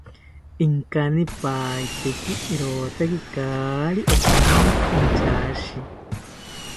Inkanipaeteki rotaki kaari okamanta inchashi